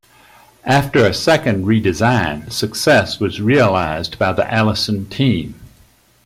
After a second redesign, success was realized by the Allison team.